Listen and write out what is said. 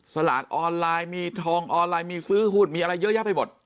สลากออนไลน์มีทองออนไลน์มีซื้อหุ้นมีอะไรเยอะแยะไปหมด